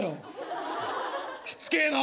しつけえな！